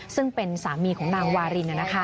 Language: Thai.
ซึ่งเป็นสามีของนางวาริน